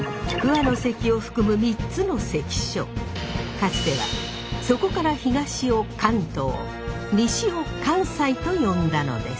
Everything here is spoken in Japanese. かつてはそこから東を関東西を関西と呼んだのです。